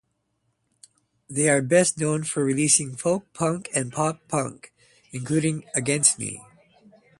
They are best known for releasing folk punk and pop punk, including Against Me!